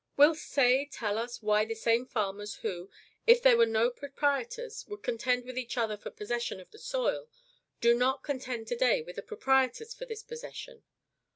Will Say tell us why the same farmers, who, if there were no proprietors, would contend with each other for possession of the soil, do not contend to day with the proprietors for this possession?